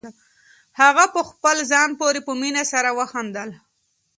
هغه په خپل ځان پورې په مینه سره وخندل.